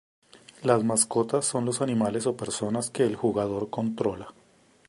Las mascotas son los animales o personas que el jugador controla.